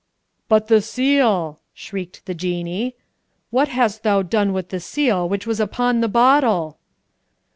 "But the seal!" shrieked the Jinnee. "What hast thou done with the seal which was upon the bottle?"